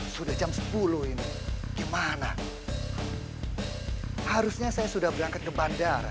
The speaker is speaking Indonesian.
sudah jam sepuluh ini gimana harusnya saya sudah berangkat ke bandara